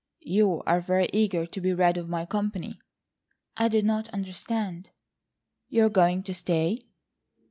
"You are very eager to be rid of my company." "I did not understand." "You are going to stay?"